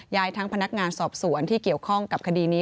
ยทั้งพนักงานสอบสวนที่เกี่ยวข้องกับคดีนี้